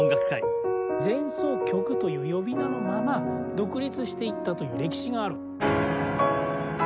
前奏曲という呼び名のまま独立していったという歴史がある。